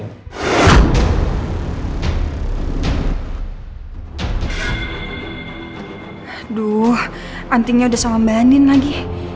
aduh antingnya udah sama mbak anin lagi